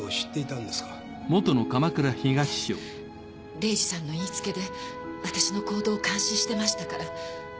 礼司さんの言いつけで私の行動を監視していましたから。